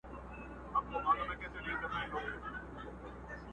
خون د کومي پېغلي دي په غاړه سو آسمانه!.